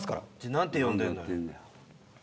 何て呼んでんだよ？